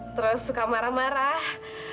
terus suka marah marah